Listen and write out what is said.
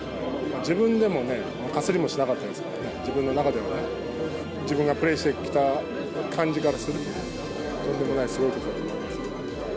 自分でもね、かすりもしなかったですからね、自分の中でもね。自分がプレーしてきた感じからすると、とんでもないすごいことだと思います。